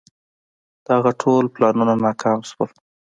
د هغه ټول پلانونه ناکام شول.